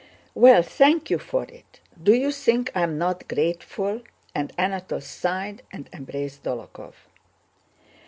"Well, thank you for it. Do you think I am not grateful?" And Anatole sighed and embraced Dólokhov.